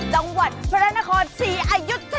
ดังวัดพระรานครสี่อายุทยา